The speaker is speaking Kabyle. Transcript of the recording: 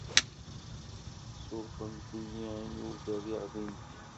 Ssurfemt-iyi imi ur d-rriɣ dindin.